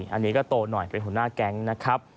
อันนี้ก็โตหน่อยเป็นหัวหน้าแก๊งนะครับ